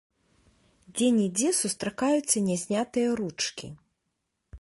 Дзе-нідзе сустракаюцца не знятыя ручкі.